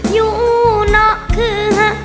อยู่เลาะคืแทบ